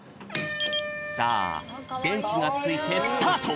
さあでんきがついてスタート！